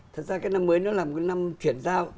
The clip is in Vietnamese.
thật ra cái năm mới nó là một cái năm chuyển giao